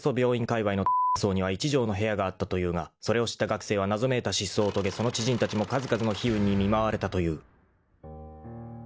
かいわいの荘には一畳の部屋があったというがそれを知った学生は謎めいた失踪を遂げその知人たちも数々の悲運に見舞われたという］